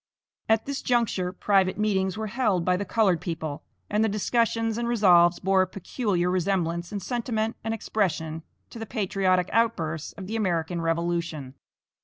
At this juncture private meetings were held by the colored people, and the discussions and resolves bore a peculiar resemblance in sentiment and expression to the patriotic outbursts of the American revolution.